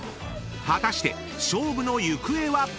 ［果たして勝負の行方は⁉］